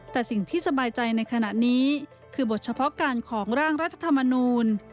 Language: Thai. แต่สิ่งที่สบายใจในขณะนี้คือบทเฉพาะการของร่างรัฐธรรมนูล